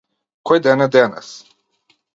Кој ден е денес?